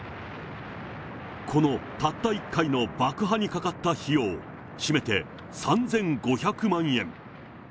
このたった一回の爆破にかかった費用、しめて３５００万円。